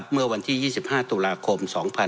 เมื่อวันที่๒๕ตุลาคม